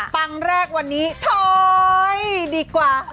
ครั้งแรกวันนี้ถอยดีกว่า